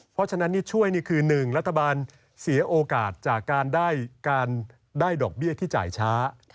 เพราะฉะนั้นช่วยนี่คือ๑รัฐบาลเสียโอกาสจากการได้ดอกเบี้ยที่จ่ายช้า